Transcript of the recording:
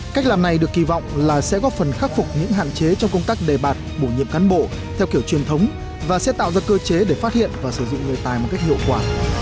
cách làm này được kỳ vọng là sẽ góp phần khắc phục những hạn chế trong công tác đề bạt bổ nhiệm cán bộ theo kiểu truyền thống và sẽ tạo ra cơ chế để phát hiện và sử dụng người tài một cách hiệu quả